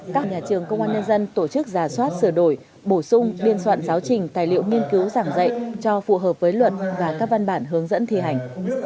các nhà trường công an nhân dân tổ chức giả soát sửa đổi bổ sung biên soạn giáo trình tài liệu nghiên cứu giảng dạy cho phù hợp với luật và các văn bản hướng dẫn thi hành